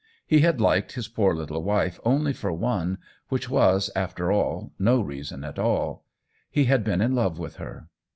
He had liked his poor little wife only for one, which was, after all, no reason at all : he had been in love with her.